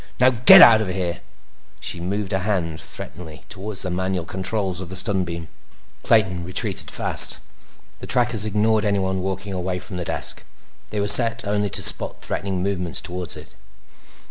_ Now get out of here!" She moved a hand threateningly toward the manual controls of the stun beam. Clayton retreated fast. The trackers ignored anyone walking away from the desk; they were set only to spot threatening movements toward it.